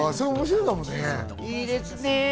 いいですね！